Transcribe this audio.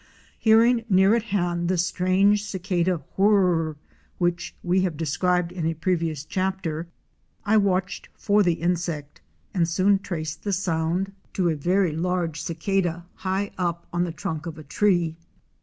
Hearing near at hand the strange cicada whirr! which we have described in a previous chapter (page 23), I watched for the insect and soon traced the sound to a very large 302 OUR SEARCH FOR A WILDERNESS. cicada high up on the trunk of a tree.